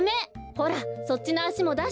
ほらそっちのあしもだして。